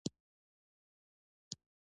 اوړي د افغانستان د ښاري پراختیا سبب کېږي.